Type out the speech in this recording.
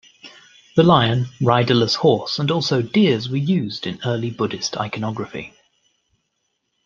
The lion, riderless horse and also deers were also used in early Buddhist iconography.